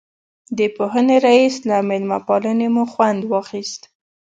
د پوهنې رئیس له مېلمه پالنې مو خوند واخیست.